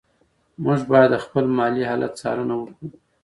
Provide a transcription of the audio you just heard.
موږ باید د خپل مالي حالت څارنه وکړو.